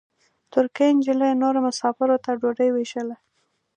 ترکۍ نجلۍ نورو مساپرو ته ډوډۍ وېشله.